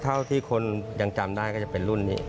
เท่าที่คนยังจำได้ก็จะเป็นรุ่นนี้